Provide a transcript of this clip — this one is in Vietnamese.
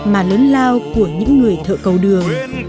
mà lớn lao của những người thợ cầu đường